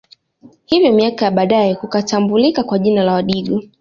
Hivyo miaka ya baadae kukatambulika kwa jina la Wadigo